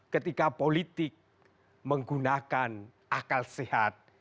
ketika politik menggunakan akal sehat